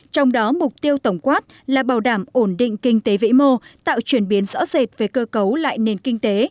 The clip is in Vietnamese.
trong đó mục tiêu tổng quát là bảo đảm ổn định kinh tế vĩ mô tạo chuyển biến rõ rệt về cơ cấu lại nền kinh tế